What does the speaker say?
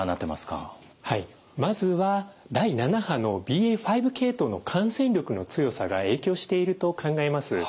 はいまずは第７波のＢＡ．５系統の感染力の強さが影響していると考えます。